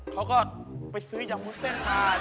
เขาก็ไปซื้อยาวุ้นเส้นมา